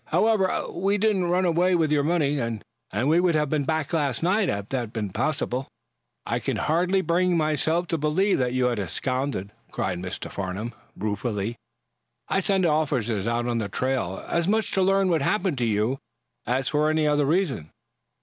"However, we didn't run away with your money, and we would have been back last night had that been possible." "I could hardly bring myself to believe that you had absconded," cried Mr. Farnum, ruefully. "I sent officers out on the trail as much to learn what had happened to you as for any other reason.